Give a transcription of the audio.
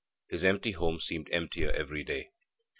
His empty home seemed emptier every day.